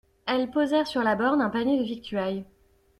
Elles posèrent sur la borne un panier de victuailles.